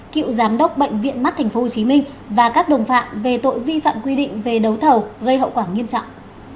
cựu giám đốc bệnh viện mắt tp hcm và các đồng phạm về tội vi phạm quy định về đấu thầu gây hậu quả nghiêm trọng